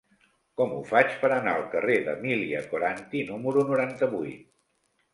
Com ho faig per anar al carrer d'Emília Coranty número noranta-vuit?